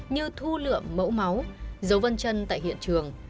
như thu lượm mẫu máu dấu vân chân tại hiện trường